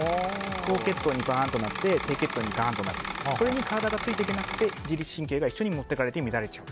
高血糖にバーンとなって低血糖にガーンとなるそれに体がついていけなくて自律神経がもっていかれて乱れちゃう。